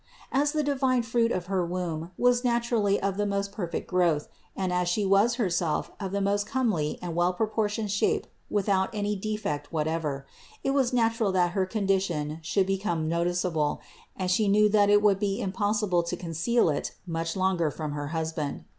316. As the divine Fruit of her womb was naturally of the most perfect growth, and as She was Herself of the most comely and well proportioned shape without any defect whatever, it was natural that her condition should become noticeable, and She knew that it would be impossible to conceal it much longer from her hus band.